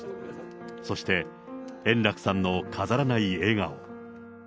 そして円楽さんの飾らない笑顔。